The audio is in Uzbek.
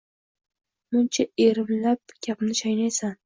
Muncha erimlab gapni chaynaysan